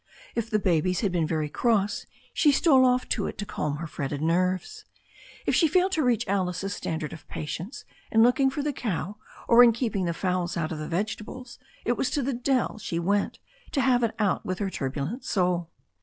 If the babies had been very cross she stole off to it to calm her fretted nerves. If she failed to reach Alice's standard of patience in looking for the cow or in keeping the fowls out of the vegetables, it was to the dell she went to have it out with her turbulent soul.